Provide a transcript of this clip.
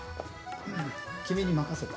君に任せた。